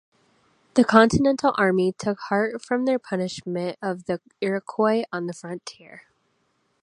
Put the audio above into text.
The Continental Army took heart from their punishment of the Iroquois on the frontier.